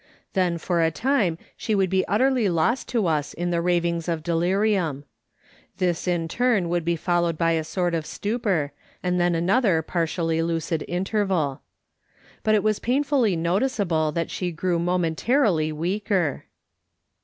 Then for a time she would be utterly lost to us in the ravings of , delirium. This in turn would be followed by a sort of stupor, and then another partially lucid interval. But it was painfully noticeable that she grew mo mentarily weaker.